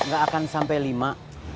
gak akan sampai lima